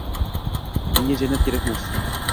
Menga Jannat kerakmas